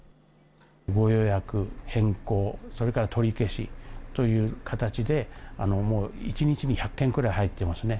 ご予約、変更、それから取り消しという形で、もう１日に１００件くらい入ってますね。